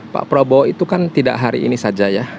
pak prabowo itu kan tidak hari ini saja ya